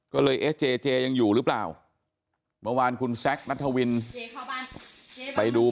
ก็เลยเอ๊ะเจเจยังอยู่หรือเปล่าเมื่อวานคุณแซคนัทวินไปดู